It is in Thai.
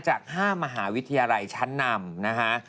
จาก๕มหาวิทยาลัยชั้นนำนะคะ